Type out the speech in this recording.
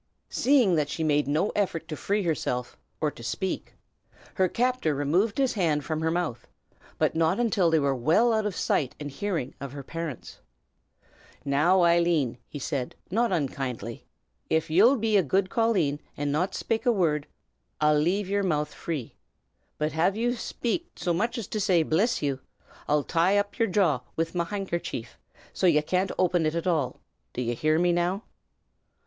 Seeing that she made no effort to free herself, or to speak, her captor removed his hand from her mouth; but not until they were well out of sight and hearing of her parents. "Now, Eileen," he said, not unkindly, "av ye'll be a good colleen, and not shpake a wurrd, I'll lave yer mouth free. But av ye shpake, so much as to say, 'Bliss ye!' I'll tie up yer jaw wid me pock' handkercher, so as ye can't open ut at all. D' ye hear me, now?"